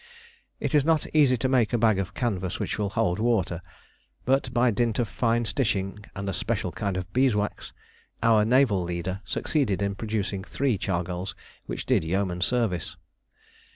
It is not easy to make a bag of canvas which will hold water, but by dint of fine stitching and a special kind of beeswax, our naval leader succeeded in producing three chargals which did yeoman service.